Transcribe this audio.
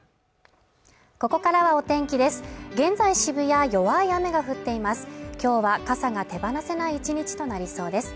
ここからはお天気です